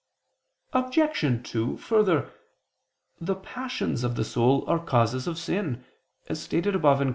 Obj. 2: Further, the passions of the soul are causes of sin, as stated above (Q.